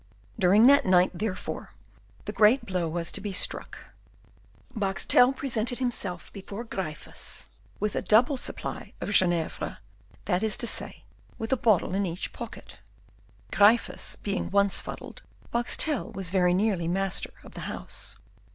During that night, therefore, the great blow was to be struck. Boxtel presented himself before Gryphus with a double supply of Genièvre, that is to say, with a bottle in each pocket. Gryphus being once fuddled, Boxtel was very nearly master of the house.